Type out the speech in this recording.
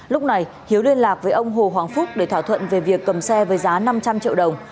lúc này hiếu liên lạc với ông hồ hoàng phúc để thỏa thuận về việc cầm xe với giá năm trăm linh triệu đồng